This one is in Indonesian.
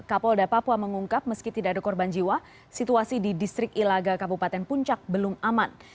kapolda papua mengungkap meski tidak ada korban jiwa situasi di distrik ilaga kabupaten puncak belum aman